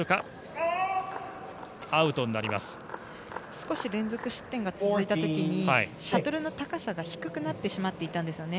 少し連続失点が続いたときにシャトルの高さが低くなってしまっていたんですね。